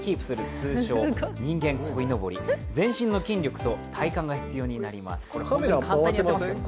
通称、人間鯉のぼり、全身の筋肉と体幹が必要になってきます。